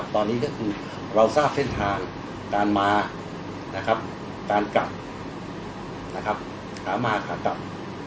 ตอนนี้ก็คือเราทราบเท่านทางการมาการกลับหามาหากลับ